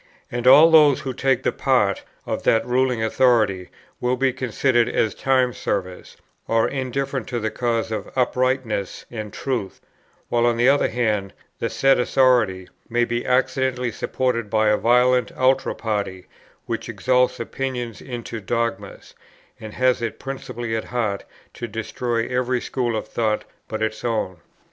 And all those who take the part of that ruling authority will be considered as time servers, or indifferent to the cause of uprightness and truth; while, on the other hand, the said authority may be accidentally supported by a violent ultra party, which exalts opinions into dogmas, and has it principally at heart to destroy every school of thought but its own.